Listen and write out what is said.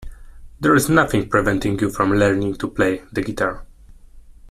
There's nothing preventing you from learning to play the guitar.